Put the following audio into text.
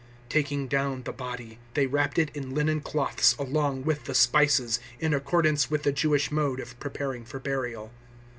019:040 Taking down the body they wrapped it in linen cloths along with the spices, in accordance with the Jewish mode of preparing for burial.